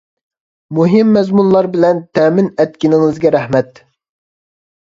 مۇھىم مەزمۇنلار بىلەن تەمىن ئەتكىنىڭىزگە رەھمەت!